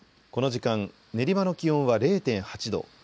この時間練馬の気温は０．８度。